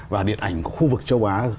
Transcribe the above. và điện ảnh khu vực châu á